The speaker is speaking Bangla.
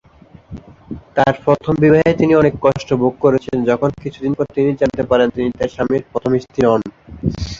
তার প্রথম বিবাহে তিনি অনেক কষ্ট ভোগ করেছেন যখন কিছুদিন পর তিনি জানতে পারেন তিনি তার স্বামীর প্রথম স্ত্রী নন।